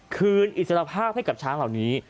อิสรภาพให้กับช้างเหล่านี้